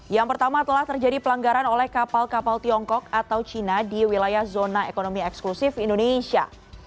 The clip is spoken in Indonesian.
yang pertama telah terjadi pelanggaran oleh kapal kapal tiongkok atau cina di wilayah zona ekonomi eksklusif indonesia